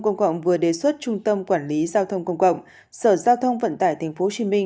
công cộng vừa đề xuất trung tâm quản lý giao thông công cộng sở giao thông vận tải tp hcm